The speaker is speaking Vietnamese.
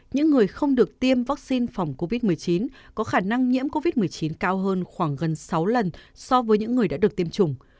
những người không được tiêm vaccine phòng covid một mươi chín có khả năng nhiễm covid một mươi chín cao hơn khoảng gần sáu lần so với những người đã được tiêm chủng